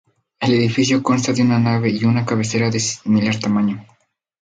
El edificio consta de una nave y una cabecera de similar tamaño.